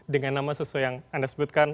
dengan nama sesuai yang anda sebutkan